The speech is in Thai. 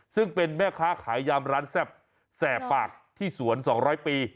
ซึ่งเป็นแม่ค้าขายยามร้านแซ่บแสบปากที่สวน๒๐๐ปี